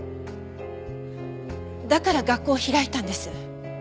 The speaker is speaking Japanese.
だから学校を開いたんです。